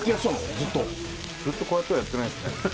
ずっとずっとこうやってはやってないですね